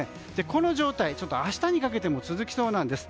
この状態は明日にかけても続きそうなんです。